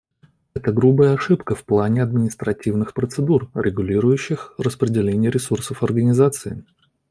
Это грубая ошибка в плане административных процедур, регулирующих распределение ресурсов Организации.